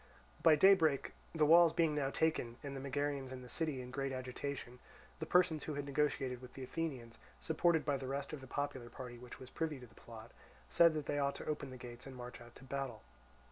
By daybreak, the walls being now taken and the Megarians in the city in great agitation, the persons who had negotiated with the Athenians, supported by the rest of the popular party which was privy to the plot, said that they ought to open the gates and march out to battle.